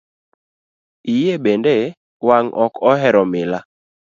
Iye bende wang' ok ohero mila.